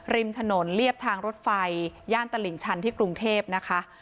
ริมถนนเรียบทางรถไฟย่านตลิ่งชันที่กรุงเทพนะคะ